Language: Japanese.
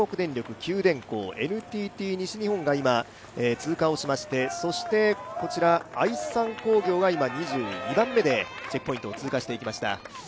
九電工、ＮＴＴ西日本が通過しまして、愛三工業が今２２番目でチェックポイントを通過していきました。